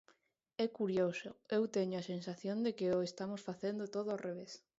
É curioso, eu teño a sensación de que o estamos facendo todo ao revés.